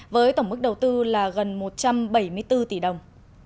với tổng mức đầu tư là gần một trăm bảy mươi bốn tỷ đồng